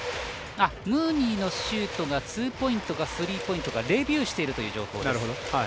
ムーニーのシュートがツーポイントかスリーポイントかレビューしているという情報。